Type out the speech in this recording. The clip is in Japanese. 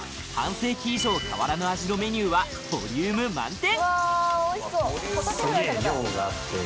世紀以上変わらぬ味のメニューはボリューム満点！